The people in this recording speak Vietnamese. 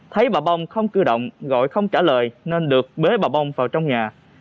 thấy bà bông không cơ động gọi không trả lời nên được bế bà bông vào trong nhà